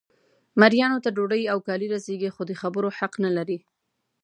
مریانو ته ډوډۍ او کالي رسیږي خو د خبرو حق نه لري.